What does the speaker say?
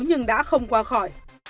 nhưng đã không qua khỏi